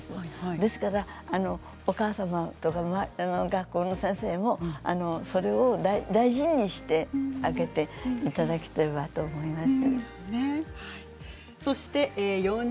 ですからお母様学校の先生もそれを大事にしてあげていただければと思います。